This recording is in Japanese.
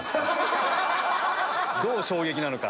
どう衝撃なのか。